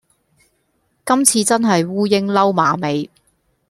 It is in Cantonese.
今次真係烏蠅褸馬尾